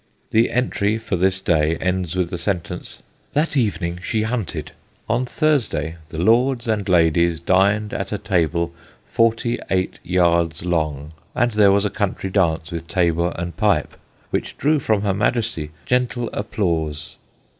The entry for this day ends with the sentence, "That evening she hunted." On Thursday the lords and ladies dined at a table forty eight yards long, and there was a country dance with tabor and pipe, which drew from her Majesty "gentle applause."